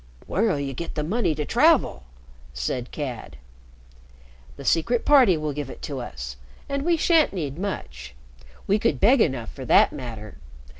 "Where'll you get the money to travel?" said Cad. "The Secret Party will give it to us, and we sha'n't need much. We could beg enough, for that matter.